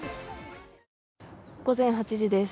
午前８時です。